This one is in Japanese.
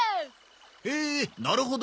へえなるほど。